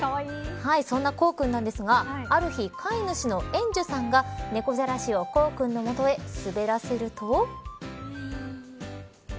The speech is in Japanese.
そんな洸くんなんですがある日、飼い主の槐さんがねこじゃらしを洸くんの元へ滑らせると。